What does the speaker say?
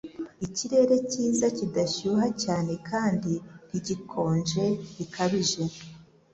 ikirere kiza kidashyuha cyane kandi ntigikonje bikabije